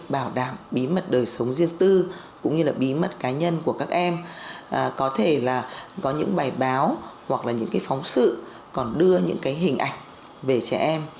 bảo đảm bí mật đời sống riêng tư cũng như là bí mật cá nhân của các em có thể là có những bài báo hoặc là những cái phóng sự còn đưa những cái hình ảnh về trẻ em